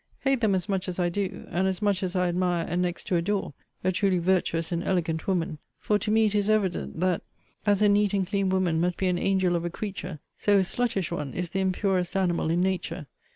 Hate them as much as I do; and as much as I admire, and next to adore, a truly virtuous and elegant woman: for to me it is evident, that as a neat and clean woman must be an angel of a creature, so a sluttish one is the impurest animal in nature.